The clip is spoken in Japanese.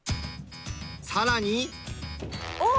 さらに。おっ！